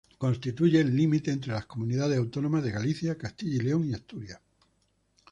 Constituye el límite entre las comunidades autónomas de Galicia, Castilla y León y Asturias.